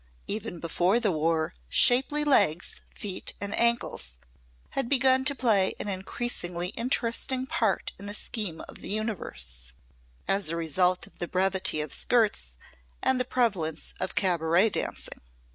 Even before the War, shapely legs, feet and ankles had begun to play an increasingly interesting part in the scheme of the Universe as a result of the brevity of skirts and the prevalence of cabaret dancing.